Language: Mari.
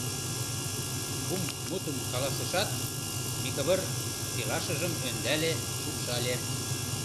Кум мутым каласышат, Микывыр пелашыжым ӧндале, шупшале.